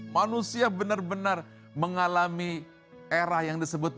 manusia benar benar mengalami era yang disebut